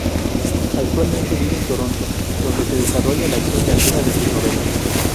Actualmente vive en Toronto, donde se desarrolla la acción de alguna de sus novelas.